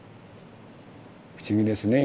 不思議ですね